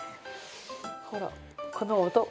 ほらこの音。